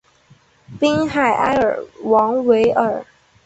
滨海埃尔芒维尔。